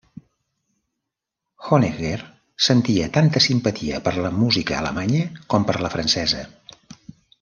Honegger sentia tanta simpatia per la música alemanya com per la francesa.